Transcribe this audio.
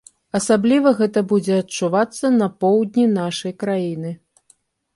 Асабліва гэта будзе адчувацца на поўдні нашай краіны.